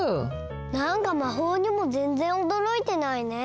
なんかまほうにもぜんぜんおどろいてないね。